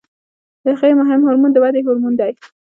د هغې مهم هورمون د ودې هورمون دی.